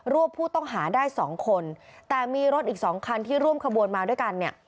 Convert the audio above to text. วบผู้ต้องหาได้สองคนแต่มีรถอีกสองคันที่ร่วมขบวนมาด้วยกันเนี่ย